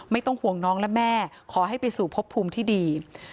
ไม่ต้องห่วงน้องและแม่ขอให้ไปสู่พบภูมิที่ดี